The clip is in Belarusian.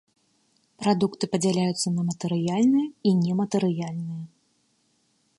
Прадукты падзяляюцца на матэрыяльныя і нематэрыяльныя.